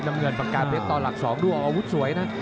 น้ำเงินประกาศเป็นตอนหลักสองด้วยอาวุธสวยนะ